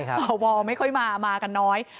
สวไม่ค่อยมามากันน้อย